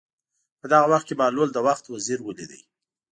په دغه وخت کې بهلول د وخت وزیر ولید.